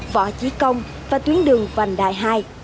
võ chí công và tuyến đường vành đại hai